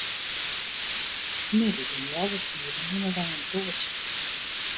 Middeis om healwei fiven nimme wy in broadsje.